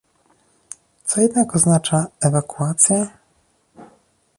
Co jednak oznacza ewakuacja?